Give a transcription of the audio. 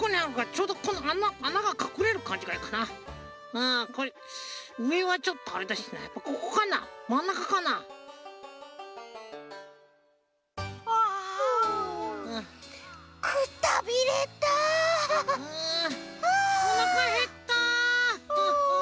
ううおなかへった。